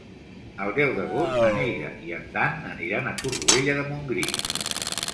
El deu d'agost na Neida i en Dan aniran a Torroella de Montgrí.